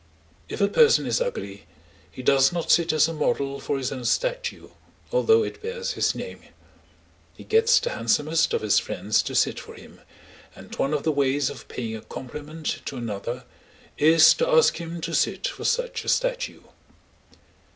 If a person is ugly he does not sit as a model for his own statue, although it bears his name. He gets the handsomest of his friends to sit for him, and one of the ways of paying a compliment to another is to ask him to sit for such a statue.